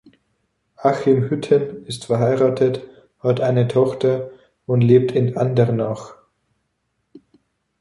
Achim Hütten ist verheiratet, hat eine Tochter und lebt in Andernach.